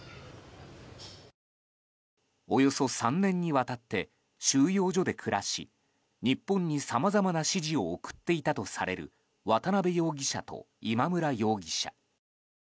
およそ３年にわたって収容所で暮らし日本にさまざまな指示を送っていたとされる渡邉容疑者と今村容疑者。